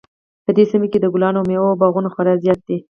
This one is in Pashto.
په دې سیمه کې د ګلانو او میوو باغونه خورا زیات دي